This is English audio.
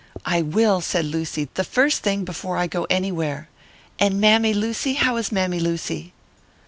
"I will," said Lucy, "the first thing, before I go anywhere. And Mammy Lucy! How is Mammy Lucy?"